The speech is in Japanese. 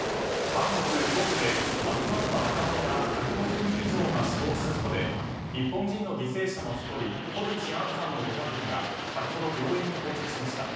韓国ソウルで、集まった若者ら１５０人以上が死亡した事故で日本人の犠牲者の１人小槌杏さんのご家族が先ほど、病院に到着しました。